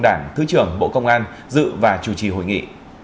đảng thứ trưởng bộ công an dự và chủ trì hội nghị